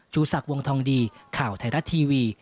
ชูศักดิ์วงทองดีข่าวไทยรัฐทีวี